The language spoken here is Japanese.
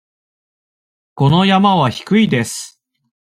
この山は低いです。